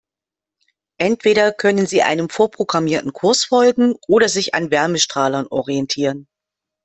Entweder können sie einem vorprogrammierten Kurs folgen oder sich an Wärmestrahlern orientieren.